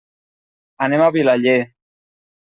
Anem a Vilaller.